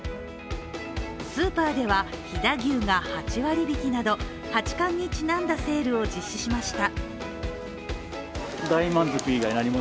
スーパーでは飛騨牛が８割引など八冠にちなんだセールを実施しました。